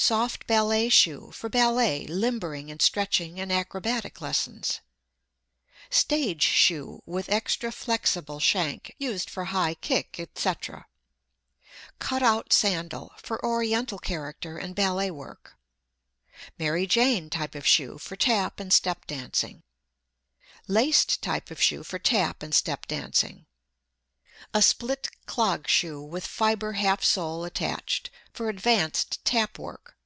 SOFT BALLET SHOE, FOR BALLET, LIMBERING AND STRETCHING AND ACROBATIC LESSONS. STAGE SHOE WITH EXTRA FLEXIBLE SHANK, USED FOR HIGH KICK, ETC. CUT OUT SANDAL, FOR ORIENTAL CHARACTER AND BALLET WORK. "MARY JANE" TYPE OF SHOE FOR TAP AND STEP DANCING. LACED TYPE OF SHOE FOR TAP AND STEP DANCING. A SPLIT CLOG SHOE WITH FIBER HALF SOLE ATTACHED, FOR ADVANCED "TAP" WORK.